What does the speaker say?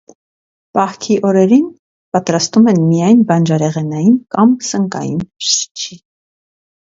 Պահքի օրերին պատրաստում են միայն բանջարեղենային կամ սնկային շչի։